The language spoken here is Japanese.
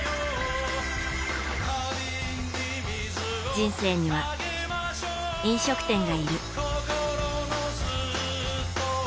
人生には、飲食店がいる。